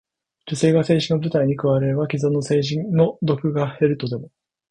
女性が政治の舞台に加われば、既存の政治の毒が減るとでも？